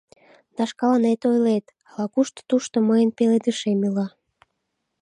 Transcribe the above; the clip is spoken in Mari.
Да шкаланет ойлет: «Ала-кушто тушто мыйын пеледышем ила…»